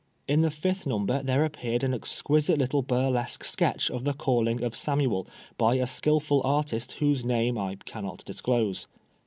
In the fifth number there appeared an exquisite little burlesque sketch of the Calling of Samuel, by a skilful artist whose name I cannot dis close.